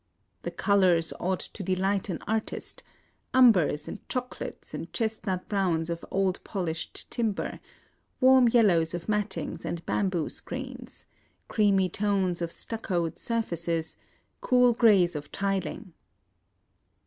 The colors ought to delight an artist, — umbers and chocolates and chestnut browns of old polished timber; warm yellows of mattings and bamboo screens ; creamy tones of stuccoed surfaces ; cool greys of tiling.